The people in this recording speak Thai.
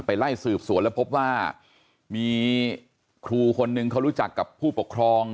ไล่สืบสวนแล้วพบว่ามีครูคนนึงเขารู้จักกับผู้ปกครอง